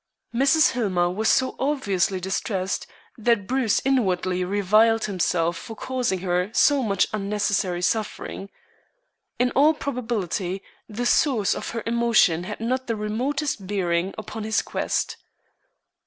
Mrs. Hillmer was so obviously distressed that Bruce inwardly reviled himself for causing her so much unnecessary suffering. In all probability, the source of her emotion had not the remotest bearing upon his quest.